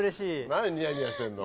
何ニヤニヤしてんの？